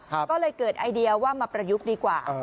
ก็เลยเกิดไอเดียว่ามาประยุกต์ดีกว่า